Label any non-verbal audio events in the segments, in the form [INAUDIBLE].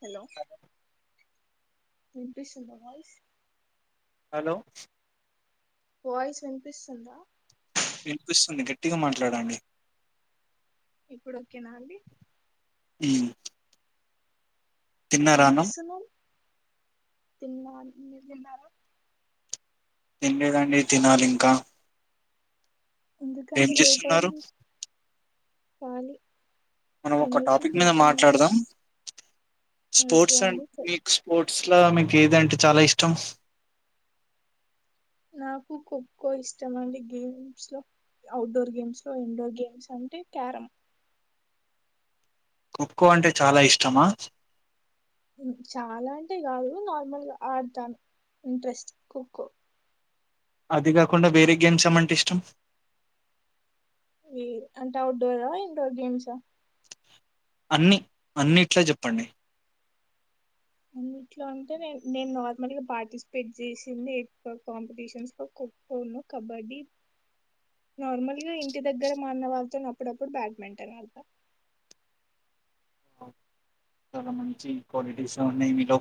Hello రంపిస్ంద వాయి hello voice వినిపిస్తుందా వినిపిస్తుంది గట్టిగా మాట్లాడండి ఇప్పుడు ఓకేనా అండి మ్మ్ ఏం చేస్తున్నావ్ తిన్నా మీరు తిన్నారా తినలేదండీ తినాలి ఇంకా ఏం చేస్తున్నారు కాళీ మనం ఒక టాపిక్ మీద మాట్లాడదాం ఓకే స్పోర్ట్స్ అండ్ అండి మెక్ స్పోర్ట్ ర్ట్స్లో మీకు ఏదాంటే చాలా ఇష్టం నాకు ఖోఖో ఇష్టం అండి గేమ్స్లో అఔట్డోర్ గేమ్స్లో ఇండోర్ గేమ్స్ అంటే క్యారమ్ ఖోఖో అంటే చాలా ఇష్టమా హమ్ చాలా అంటే కాదు నార్మల్గా ఆడతాను ఇంట్రెస్ట్ ఖోఖో అది కాకుండా వేరే గేమ్స్ ఏమంటే ఇష్టం లేదు అంటే ఔట్డోరా ఇండోర్ గేమ్సా అన్ని అన్నిట్లా చెప్పండి అన్నిట్లో అంటే నే నేను నార్మల్గా పార్టిసిపేట్ చేసింది ఎక్ కాంపిటీషన్స్ లో ఖోఖోను కబడ్డీ నార్మల్గా ఇంటి దగ్గర మాఅన్నా వాళ్ళతో అప్పుడప్పుడు బ్యాడ్మింటన్ ఆడతా చాలా మంచి క్వాలిటీసే హ్ ఉన్నాయి మీలో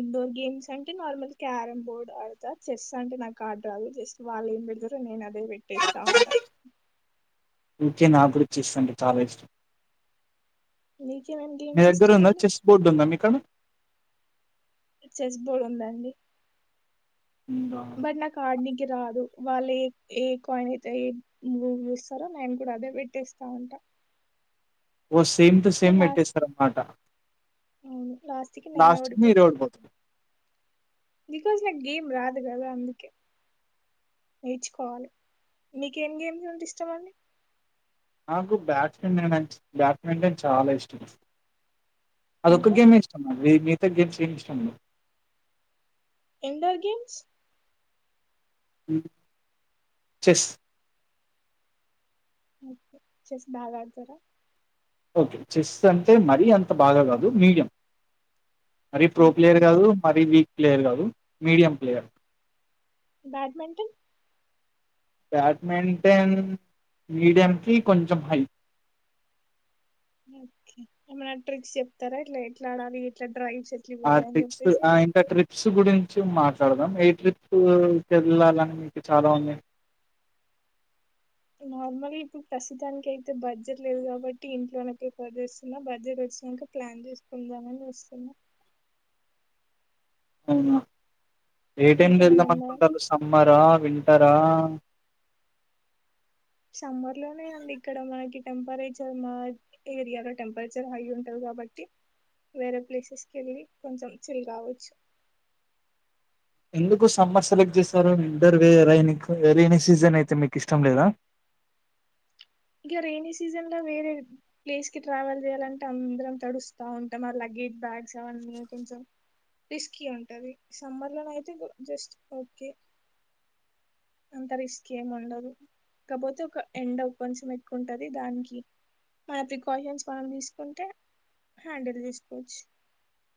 ఇండోర్ గేమ్స్ అంటే నార్మల్ క్యారం బోర్డ్ ఆడత చెస్ అంటే నాకు ఆట రాదు జస్ట్ వాళ్ళు ఏం పేడతారో నేను అదే పెట్టేస్తా ఉంటా అందుకే నా కూడా చెస్ అంటే చాలా ఇష్టం నీ మీ దగ్గర ఉందా చెస్ బోర్డు ఉందా మికాడ చెస్ బోర్డ్ ఉంది అండి ఉందా బట్ నాక్ ఆడ నిక్ రాదు వాళ్ళు ఏ ఏ కాయిన్ అయితే ఏ గురి ఇస్తారో నేను కూడా అదే పెట్టేస్తాఉంట ఓ సేమ్ టు సేమ్ పెట్టేస్తారు అన్నమాట అవును లాస్ట్ కి నేనే లాస్ట్కి ఓడిపోతా మీరురోడిపోతారు బికాజ్ నాకు గేమ్ రాదు కదా అందుకే నేర్చుకోవాలి మీకేం గేమ్స్అంటే ఇష్టం అండి నాకు బ్యాట్స్మి బ్యాట్మింటన్ చాలా ఇష్టం అసలు అదొక్క ఇంకా గేమే ఇష్టమా ఏ మిగతా గేమ్స్ ఏం ఇష్టముండదు ఇండోర్ గేమ్స్ హమ్ చస్ ఒకే చెస్ బాగా ఆడతారా ఓకే చెస్ అంటే మరీ అంత బాగా కాదు మీడియం మరి ప్రో ప్లేయర్ ఓకే కాదు మరి వీ ప్లేయర్ కాదు medium player badminton badminton medium కి కొంచెం హై ఒకే ఏమైనా ట్రిక్స్ చెప్తారా ఎట్లా ఎట్లా ఆడాలి ఎట్లా డ్రైవ్స్ ఎట్లా ఆ ఇవ్వాలి అని ట్రిక్స్ చెప్పేసి ఆ ఇంత ట్రిక్ ట్రిప్స్ గురించి మాట్లాడదాం ఏ ట్రిప్కి వెళ్ళాలని మీకు చాలా ఉంది నార్మల్ ఇప్పుడు ప్రస్తుతానికి అయితే బడ్జెట్ లేదు కాబట్టి ఇంట్లోన ప్రిఫర్ చేస్తున్నా బడ్జెట్ వచ్చినాక ప్లాన్ చేసుకుందామని చూస్తున్నా అవునా ఏ టైమ్కి మీకేమైనా వెళ్దాం ఉందా అనుకుంటారు సమ్మరా వింటారా సమ్మర్ లోనే అండి ఇక్కడ మనకి టెంపరేచర్ మా ఏరియాలో టెంపరేచర్ హై ఉంటుంది కాబట్టి వేరే ప్లేసెస్కి వెళ్ళి కొంచెం చిలి కావచ్చు ఎందుకు సమ్మర్ సెలెక్ట్ చేశారు ఇద్దరు ర రెైన సీజన్ అయితే మీకు ఇష్టం లేదా ఇంక రెైనీ సీజన్ లో వేరే ప్లేస్ కి ట్రావెల్ చేయాలంటే అందరం తడుస్తా ఉంటాం ఆ లగేజ్ బ్యాగ్స్ అవన్నీ కొంచెం రిస్కీ ఉంటుంది సమ్మర్ లోనే అయితే జస్ట్ ఓకే అంత రిస్కీ ఏమి ఉండదు కాకపోతే ఒక ఎండ్ కొంచెం ఎక్కువ ఉంటుంది దానికి మన ప్రికాషన్స్ మనం తీసుకుంటే హ్యాండిల్ చేసుకోవచ్చు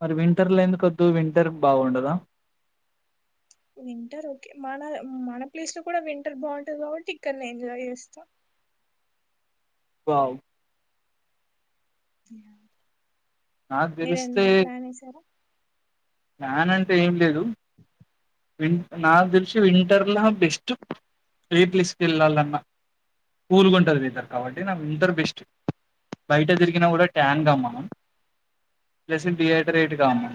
మరి వింటర్ లో ఎందుకు వద్దు వింటర్ బాగుండదా వింటర్ ఓకే మన మన ప్లేస్ లో కూడా వింటర్ బాగుంటంది కాబట్టి ఇక్కడనే ఎంజాయ్ చేస్తాం వావ్ అ నాకు మీర తెలిస్తే ఎన్న ప్లాన్ వసారా ప్లాన్ అంటూ నానంటే ఏం లేదు వి నాకు తెలిసి వింటర్లో బెస్ట్ స్ీట్లెస్ పళ్ళాలన్నా కూల్గా ఉంటుది వింటర్ కాబట్టి నా వింటర్ బెస్ట్ బయట తిరిగిన కూడా ట్యాన్క్ అమ్మ ప్లస్ డిహైడరేట్గా అమ్మం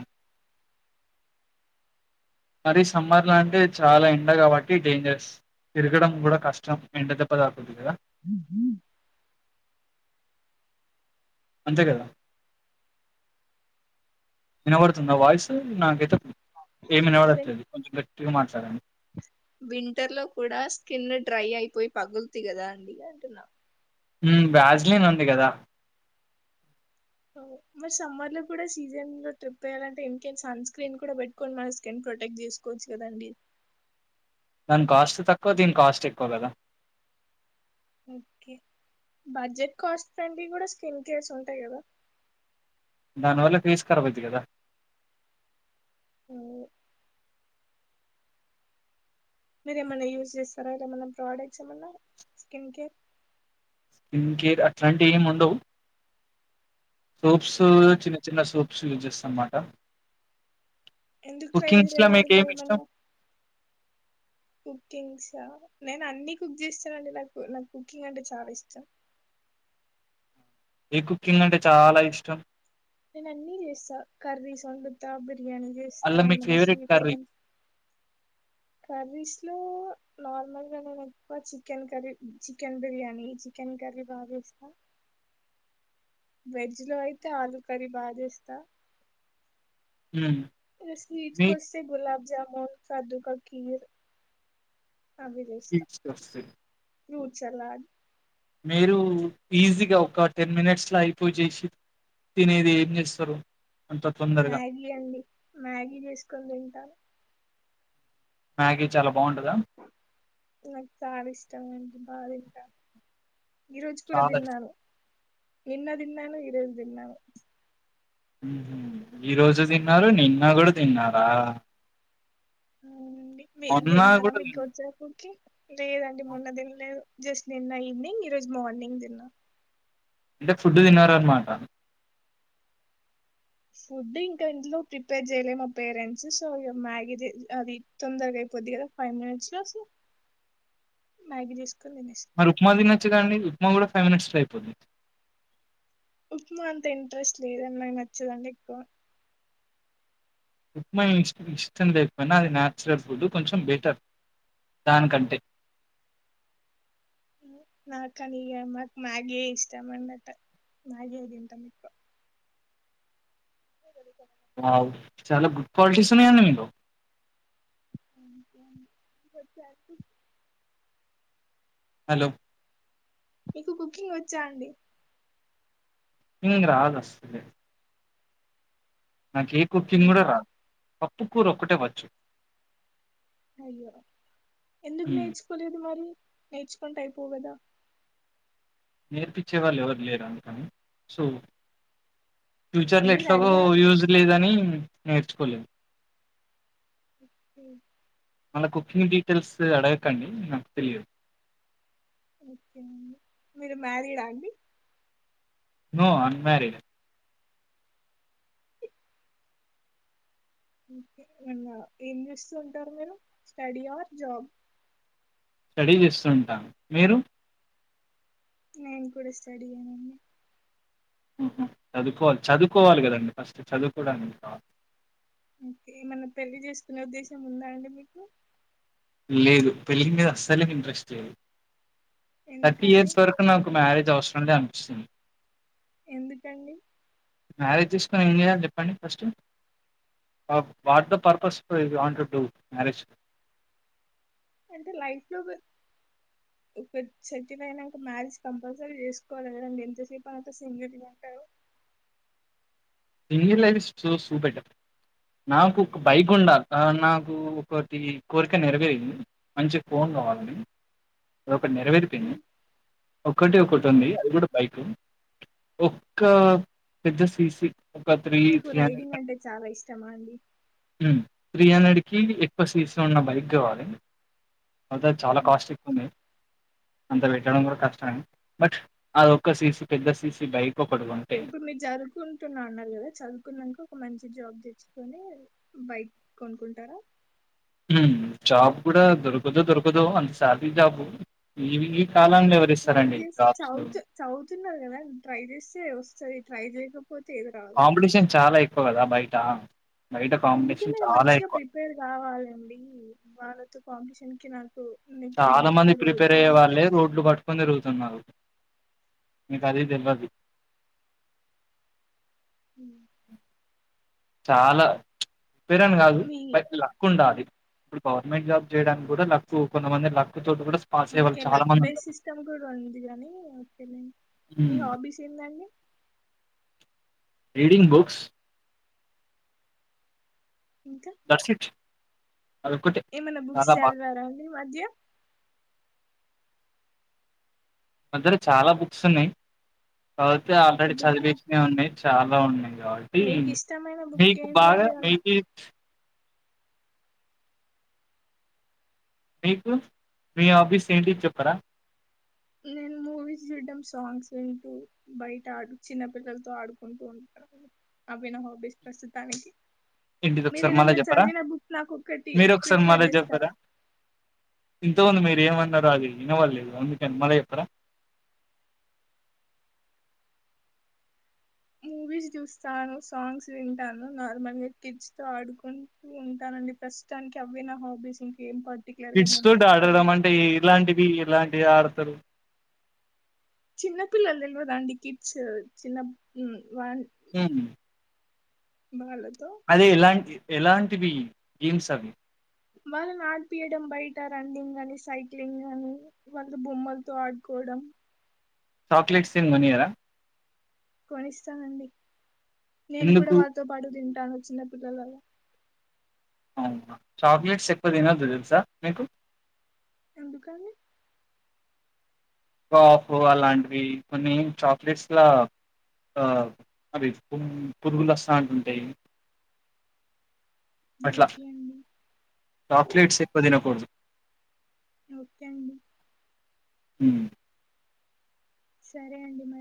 మరి సమ్మర్లా అంటే చాలా ఎండ కాబట్టి డేంజరస్ తిరగడం కూడా కష్టం ఎండ దెబ్బ దాకుంది కదా వేసారా అంతే కదా వినబడుతుంది నా వాయిస్ నా గితతుంది ఏమైనా వాడ వస్తులేంది కొంచెం వట్ సాండి వింటర్ లో కూడా స్కిన్ డ్రై అయిపోయి పగులుతు కదా అండి అంటున్నా బ్రాజిలిన్ ఉంది కదా మరి సమ్మర్ లో కూడా సీజన్ లో ట్రిప్ వయ్యాలంటే ఇంకేం సన్ స్క్రీన్ కూడా పెట్టుకోని మన స్కిన్ ప్రొటెక్ట్ చేసుకోవచ్చు కదండి దాని కాస్ట్ తక్కువ దీని కాస్ట్ ఎక్కువ కదా ఓకే బడ్జెట్ కాస్ట్ ఫ్రంీ కూడా స్కిన్ కేర్స్ ఉంటాయి కదా దనువల ఫీస్ కరవచ్చ కదా ఆ మీరు ఏమైన్నా యూస్్ చేస్తారా అర ఏమన్నా ప్రోడక్ట్స్ ఏమన్నా స్కిన్ కేర్ స్కిన్ కేర్ అట్లాంటి ఏమి ఉండవు సూప్స్ చిన్న చిన్న సూప్స్ యూజ్ చేస్తాారు అమ్మాట ఎందు తై తెరిాల ఎడి మయమల కుకింగ్ చ నేను అన్ని కుక్ చేస్తాన అండి నాకు నాకు కుకింగ్ అంటే చాలా ఇష్టం న కుకింగ్ అంటే చాలా ఇష్టం నేను అన్నీ చేస్తా కర్ర సొంత బిర్యానీ చే ఇస్తా అల్లా మీ మన్న ఫేవరెట్ స్వీట్ కర్రీ? ఐటమ్స్ కర్రీస్లో నార్మల్గా నేను ఎక్కువ chicken curry chicken biryani chicken curry బాగాస్తా వెజ్ లో అయితే ఆలుూ కర్రీ బాగా చేస్తా హ్మ్. స్వీట్ మీకు కొస్తతే గులాబ్ జామ మొ సదుక కియో [UNINTELLIGIBLE] ఫ్రూట్ సలాడ్ మీరు ఈజీగా ఒక టెన్ మినిట్స్ లో అయిపోయి చేసి తినేది ఏం చేస్తారు మ్యాగీ అండి మ్యాగీ చేసుకొని తింటాను మ్యాగి చాల నాక్ చానా ఇస్ ష్టమండి బాతింటా ఈ రోజు కూడా చాలా ఇష్టం. దిన్నాను నిన్నదిన్నాన ఈరోజు దిన్నాను మ్మ్ హు ఈ రోజు తిన్నారు నిన్న కూడా తిన్నారా వు అండి మీ మొన్న తింటార గూడా తిన్నారా? మీకొచ్చపుకి లేదండి మొన్న తినలేదు జస్ట్ నిన్నా ఈవినింగ్ ఈ రోజు మోర్నింగ్ దిన్నా అంటే ఫుడ్ తిన్నార అన్నమాట ఫుడ్ ఇంకా ఇంట్లో ప్రిపేర్ చేయలే మా పేరెంట్స్ సో ఇ మ్యాగీ చే అది తొందరగా అయిపోద్ది కదా ఫైవ్ మినిట్స్ లో సో మ్యాగీ చేసు మరి ఉప్మా తినొచ్చు కదండి ఉప్మా కూడా ఫైవ్ మినిట్స్ లో ఐపోద్ది ఉప్మా అంత ఇంట్రెస్ట్ లేదన్ నాకి నచ్చదండి ఎక్కువ ఉప్మా ఇస్ట్ ఇష్టం లేకపోయినా అది నాచురల్ ఫుడ్ కొంచెం బెటర్ దానికంటే నాకనిగ అమ్మక్ మ్యాగి ఇష్ట మన్నట మ్యాగి తింటా మీకు వావ్ చాల గుడ్ క్వాలిటీస్ ఉన్నాయండి మీలో [INAUDIBLE] హలో మీకు కుకింగ్ వచ్చా అండి ఇంగింగ రాదస్సలే నా కేక్ కుకింగ్ కూడా రాదు టుకూర ఒకటే వచ్చు అయ్యో ఎందుకు హ్మ్ నేర్చుకోలేదు మరి నేర్చుకుంటే అయిపోవు కదా నేర్పిచే వాళ్ళు ఎవరు లేరు అందుకని సో ఫ్యూచర్ లో మీరు ఎట్లాగో అడిగా యూజ్ లేదని ఉమ్ నేర్చుకోలేదు మ్మ్ మన కుకింగ్ డీటెయిల్స్ అడగకండి నాకు తెలిదు ఓకే మీరు మ్యారిడా అండి నో అన్ మ్యారీడ్ ఓకే [INAUDIBLE] ఏం చేస్తుంటారు మీరు స్టడీ అర్ జాబ్ స్టడీ చేస్తుంటాను మీరు నేను కూడా స్టడీ నే మ్మ్ హు చదువుకోవాలి చదువుకోవాలి కదండి ఫస్ట్ చదువుకోవడానికి [INAUDIBLE] కే మనం పెళ్లి చేసుకునే ఉద్దేశం ఉందా అండి మీకు లేదు పెళ్ళి మీద అస్సలేకి ఇంట్రెస్ట్ లేదు తర్టీ ఎందుకండి ఇయర్స్ వరకు నాకు మ్యారేజ్ అవసరం లే అనిపిస్తుంది. ఎందుకండీ? మ్యారేజ్ చేసుకుని ఏం చేయాలి చెప్పండి first? ! What the purpose want to do marriage!? అంటే లైఫ్ లో ఒక సెటిల్ అయినాక మ్యారేజ్ కంపల్సరీ చేసుకోవాల కదండి ఎంతసేపు అని అట్లా సింగిల్గా అంటారు సింగిల్ లైఫ్ సూసూపెట్ట నాకు ఒక బైక్ ఉండాలి ఆ నాకు ఒకటి కోరిక నెరవేరింది మంచిగా ఫోన్ కావాలని ఒకటి నేరెవేరిపోయింది ఉమ్, ఒకటి ఒకటి ఉంది ఓకే అది కూడా బైకు ఒక్క పెద్ద సీసి మీకు రైడింగ్ అంటే చాలా ఇష్టమా అండి త్రీ హండ్రెడ్కి ఎక్కువ సీసీలో ఉన్న బైక్ కావాలి అత చాలా కాస్ట్ ఎక్కు ఓకే ఉంది అంత పెట్టడం కూడా కష్టమె బట్ అది ఒక్క సీసీ పెద్ద సీసీ బైక్ ఒకటి కొంటే ఇప్పుడు మీ జరువుకుంటున్నా అన్న కదా చదువుకున్నాంక ఒక మంచి జాబ్ తెచ్చుకొని బైక్ కొనుకుంటారా హూ జాబ్ కూడా దొరకుద్దోదొరకదో అంత సాలరీజాబ్ ఈవింగ్ ట్రై చేస్తే చౌత్ చౌతున్నారు కదా ట్రై చేస్తే వ సరే ట్రై చేయకా కాంపిటీషన్ చాలా ఎక్కువ గదా బై టామ్ అందుకే మీరు మంచిగా ప్రిపేర్ గావాలండి వాళ్ళతో కాంపిటీషన్ కినాన్ చాలా మంది ప్రిపేర్ అయ్యే వాళ్ళే రోడ్లు పట్ కొనిరుగుతున్నారు మీకు అది తెలియదు హ చాలా పెరన్ కాదు మీ బట్ లక్ ఉంటా అది ఇప్పుడు గవర్నమెంట్ జాబ్ చేయడానికి కూడా లక్కు కొంతమంది లక్ తోటి కూడా పాస్ అయ్యే వాళ్ళు ఓకే చాలా లక్ మంది బేస్ ఉంటారు సిస్టమ్ కూడా ఉంది కాగాని ఓకేనండి మీ హాబీస్ ఏందండి రీడింగ్ బుక్స్ దర్శిించ ఏమైన్నా బుక్స్ చల్వారా అండి మధ్య మాద్దర చాలా బుక్స్ ఉన్నాయి అవుతే ఒక ఆల్రెడీ బుక్ చదివించ నాకు ఉడి చాలా ఉన్నాయి మీకు ఇష్టమైన బుక్ మకు బార ఏంటిదండి ఏమన్నా మెకి మీకు మీ ఆఫీస్ ఏంటి చెప్పరా నేను మూవీస్ చూడడం సాంగ్స్ వింటూ బయట ఆడు చిన్న పిల్లలతో ఆడుకుంటూ ఉంటాను అవి నా హాబీస్ ప్రస్తుతానికి ఏంటిది మీరు ఒకసారి మళ్ళా ఏదైనా చెప్పరా చదివిన బుక్ నాకు ఒకటి మీరు ఒకసారి ప్రిఫర్ చేస్తారా ఎ ఉంది మీరు ఏమన్నారో అది వినపడలేదు అందుకని మళ్ళ చేప్పార మూవీస్ చూస్తాను సాంగ్స్ వింటాను నార్మల్గా కిడ్స్ త ఆడుకుంటూ ఉంటానండి, ప్రస్తుతానికి అవే నా హాబీస్ ఇంకేం పడు కిట్స్ తో ఆడడం అంటే ఇలాంటివి ఇలాంటివి పె ఆడుతులు చిన్నా పిల్లలు తెల్వదండీ కిడ్స్ చిన్న వ మ్ బాళది అదే ఇలాంటి ఎలాంటివి గేమ్స్ అవి వాళ్ళని ఆడిపియడం బయట రన్నింగ్ అని, సైక్లింగ్ అని, వాళ బొమ్మలతో ఆడుకోవడం చాక్లేెట్స్ ఇంగ్ మనియార కొనిస్తానండి నేను కూడా ఎందుకు వాారితో పాటు తిం తను చిన్న పిల్లల అవునా చాక్లెట్స్ ఎక్కువ తినోదు తెలుసా మీకు ఎందుకు అండి కాఫ్ అలాంటివి కొన్ని చాక్లెట్స్ల అ అవి పు పురుగులు వస్తా ఉంటాయి అట్లా ఓకే అండి చాక్లెట్స్ ఎక్కువ తినకూడదు ఓకే అండి మ్ సరే అండి మ